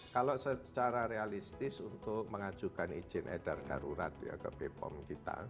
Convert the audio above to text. kalau secara realistis untuk mengajukan izin edar darurat ya ke bepom kita